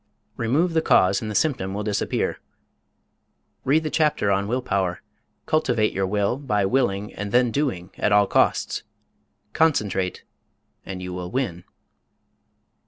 Remove the cause and the symptom will disappear. Read the chapter on "Will Power." Cultivate your will by willing and then doing, at all costs. Concentrate and you will win.